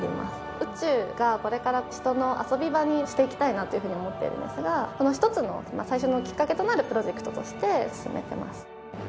宇宙がこれから人の遊び場にしていきたいなというふうに思ってるんですがその一つのまあ最初のきっかけとなるプロジェクトとして進めてます。